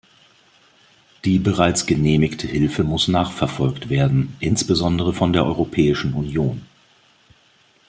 Die bereits genehmigte Hilfe muss nachverfolgt werden, insbesondere von der Europäischen Union.